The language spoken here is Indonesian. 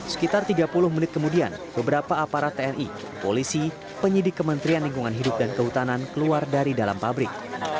sekitar tiga puluh menit kemudian beberapa aparat tni polisi penyidik kementerian lingkungan hidup dan kehutanan keluar dari dalam pabrik